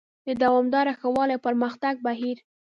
د دوامداره ښه والي او پرمختګ بهیر: